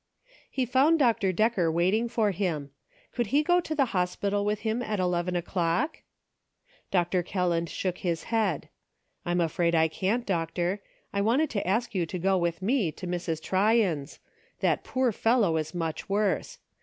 He found Dr. Decker waiting for him. Could he go to the hospital with him at eleven o'clock ? Dr. Kelland shook his head. " I'm afraid I can't, Doctor. I wanted to ask you to go with me to Mrs. Tryon's ; that poor fellow is much worse.